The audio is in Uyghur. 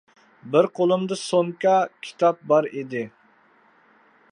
بىر قولۇمدا بىر سومكا كىتاب بار ئىدى.